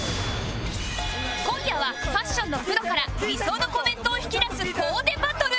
今夜はファッションのプロから理想のコメントを引き出すコーデバトル